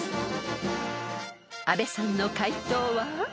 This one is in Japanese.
［阿部さんの解答は？］